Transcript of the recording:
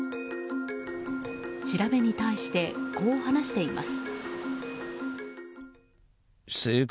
調べに対して、こう話しています。